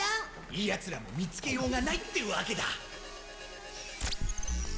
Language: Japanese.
ヤツらも見つけようがないってわけだ。